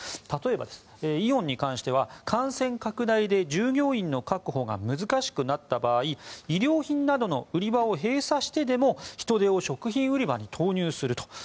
例えば、イオンに関しては感染拡大で従業員の確保が難しくなった場合衣料品などの売り場を閉鎖してでも人手を食品売り場に投入すると。